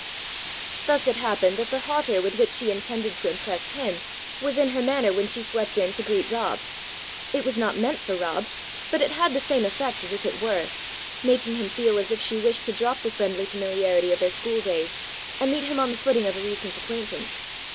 Thus it happened that the hauteur with which she intended to impress him was in her manner when she swept in to greet Rob. It was not meant for Rob but it had the same effect as if it were, making him feel as if she wished to drop the friendly familiarity of their school days, and meet him on the footing of a recent acquaintance.